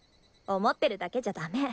思ってるだけじゃダメ。